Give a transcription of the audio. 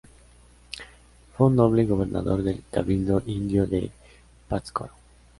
Fue un noble y gobernador del cabildo indio de Pátzcuaro.